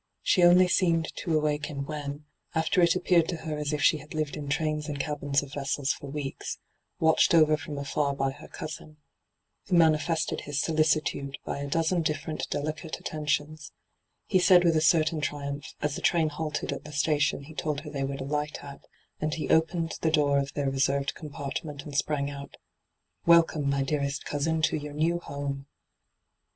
She only seemed to awaken when, after it appeared to her as if she had lived in trains, and cabins of vessels for weeks, watched over from afar by her cousin — who manifested his solicitude by a dozen different delicate attentions — he said with a certain triumph, as the train halted at the station he told her they would alight at, and he opened the door of their reserved compartment and sprang out :' Welcome, my dearest cousin, to your new home